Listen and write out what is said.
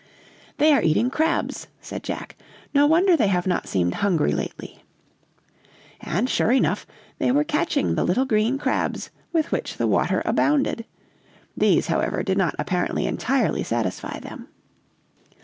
"'They are eating crabs,' said Jack. 'No wonder they have not seemed hungry lately.' "And, sure enough, they were catching the little green crabs with which the water abounded. These, however, did not apparently entirely satisfy them.